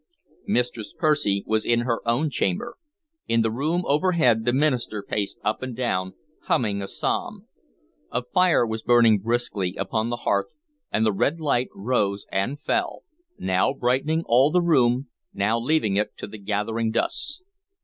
Mistress Percy was in her own chamber; in the room overhead the minister paced up and down, humming a psalm. A fire was burning briskly upon the hearth, and the red light rose and fell, now brightening all the room, now leaving it to the gathering dusk.